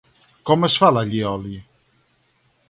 Com es fa l'allioli?